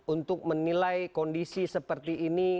untuk menilai kondisi seperti ini